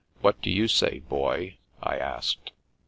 What do you say, Boy? " I asked.